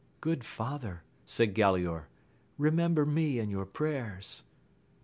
Good father* said Galaor, remember me in your prayers.